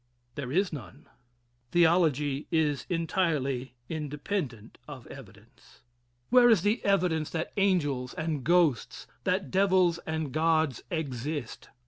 There is none. Theology is entirely independent of evidence. Where is the evidence that angels and ghosts that devils and gods exist?